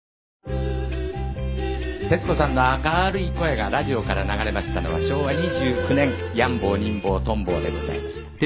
徹子さんの明るい声がラジオから流れましたのは昭和２９年『ヤン坊ニン坊トン坊』でございました。